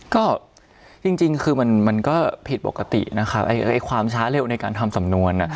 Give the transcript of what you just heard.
ก็จริงคือมันก็ผิดปกตินะครับความช้าเร็วในการทำสำนวน